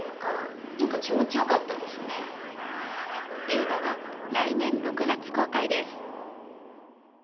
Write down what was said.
映画は来年６月公開です。